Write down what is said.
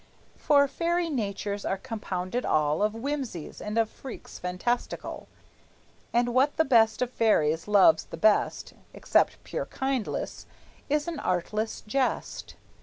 For fairy natures are compounded all Of whimsies and of freaks fantastical, And what the best of fairies loves the best (Except pure kindness) is an artless jest.